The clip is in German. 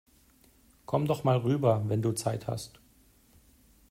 Komm doch mal rüber, wenn du Zeit hast!